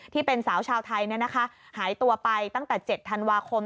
ที่เป็นสาวชาวไทยหายตัวไปตั้งแต่๗ธันวาคม